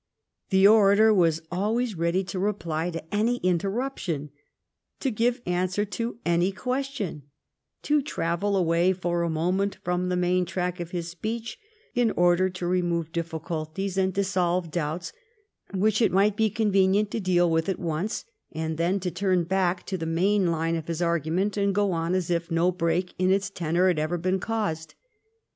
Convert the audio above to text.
The orator was always ready to reply to any interruption, to give answer to any ques tion, to travel away for a moment from the main track of his speech in order to remove difficulties A COALITION GOVERNMENT 179 and to solve doubts which it might be convenient to deal with at once, and then to turn back to the main line of his argument and go on as if no break in its tenor had ever been caused.